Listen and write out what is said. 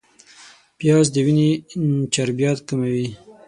پیاز د وینې چربیات کموي